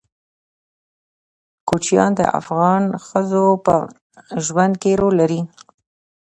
کوچیان د افغان ښځو په ژوند کې رول لري.